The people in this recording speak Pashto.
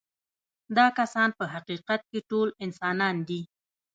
دا کسان په حقیقت کې ټول انسانان دي.